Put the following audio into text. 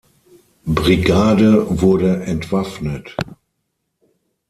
Brigade wurde entwaffnet.